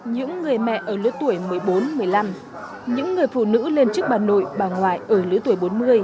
những người mẹ ở lưới tuổi một mươi bốn một mươi năm những người phụ nữ lên trước bà nội bà ngoại ở lưới tuổi bốn mươi